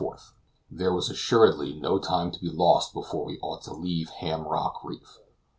There was assuredly no time to be lost before we ought to leave Ham Rock reef.